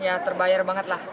ya terbayar banget lah